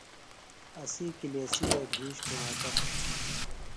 اسی کلیسیۡ وے بِھیش کُݨاکہ ہِنہ۔